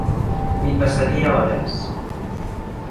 M'hi passaria hores.